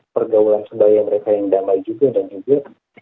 pergaulan sebaya mereka yang damai juga dan juga